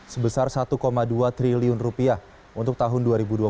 sebesar satu dua triliun rupiah untuk tahun dua ribu dua puluh